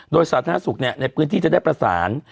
โดยสาธารณสุขในพื้นที่จะได้ประสาน